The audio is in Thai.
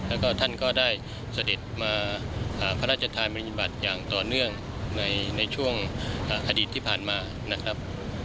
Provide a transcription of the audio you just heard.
แล้วก็ท่านก็ได้เสด็จมาพระราชทานบริบัติอย่างต่อเนื่องในช่วงอดีตที่ผ่านมานะครับ